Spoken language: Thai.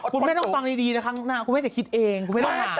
คุณแม่ต้องฟังดีนะครั้งหน้าคุณแม่จะคิดเองคุณแม่ต้องถาม